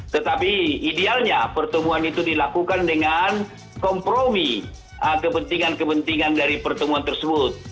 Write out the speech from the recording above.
tetapi idealnya pertemuan itu dilakukan dengan kompromi kepentingan kepentingan dari pertemuan tersebut